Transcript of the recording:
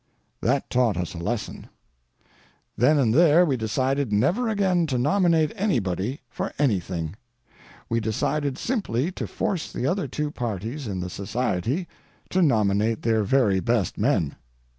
That taught us a lesson. Then and there we decided never again to nominate anybody for anything. We decided simply to force the other two parties in the society to nominate their very best men.